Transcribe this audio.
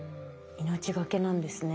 命懸けなんですね。